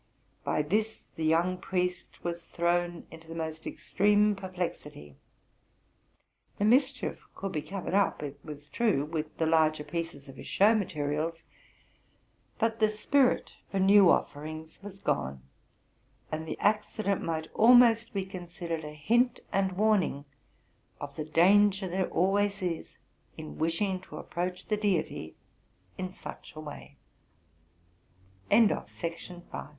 By this the young priest was thrown into the most extreme perplexity. The mischief could be covered up, it was true, with the larger pieces of his show materials ; but the spirit for new offerings was gone, and the accident might almost be considered a hint and warning of the danger there always is in wishing to approach the Deity in s